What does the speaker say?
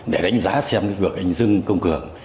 để đánh giá xem vực anh dương công cường